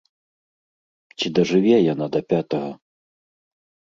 Ці дажыве яна да пятага?